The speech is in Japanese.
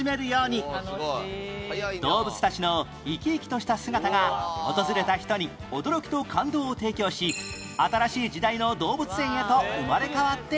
動物たちの生き生きとした姿が訪れた人に驚きと感動を提供し新しい時代の動物園へと生まれ変わっていったのです